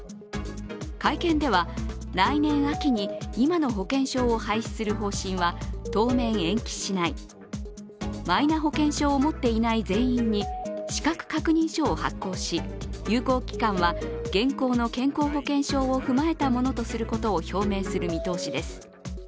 会見では、来年秋に今の保険証を廃止する方針は当面、延期しない、マイナ保険証を持っていない全員に資格確認書を発行し有効期間は現行の健康保険証を踏まえたものとすることを表明する見通しです。